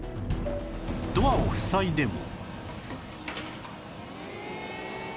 ドアを塞いでも